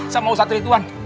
sama usaha trituan